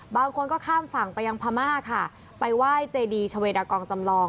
บางคนก็ข้ามฝั่งไปยังพม่าค่ะไปไหว้เจดีชาเวดากองจำลอง